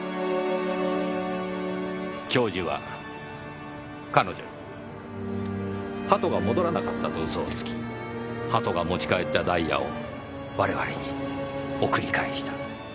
教授は彼女に鳩が戻らなかったと嘘をつき鳩が持ち帰ったダイヤを我々に送り返した。